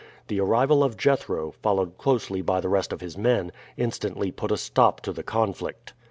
The arrival of Jethro, followed closely by the rest of his men, instantly put a stop to the conflict.